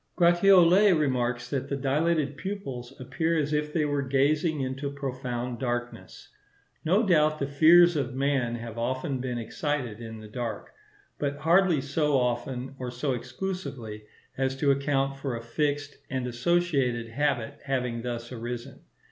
Gratiolet remarks that the dilated pupils appear as if they were gazing into profound darkness. No doubt the fears of man have often been excited in the dark; but hardly so often or so exclusively, as to account for a fixed and associated habit having thus arisen.